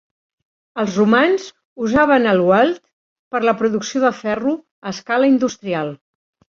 Els romans usaven el Weald per a la producció de ferro a escala industrial.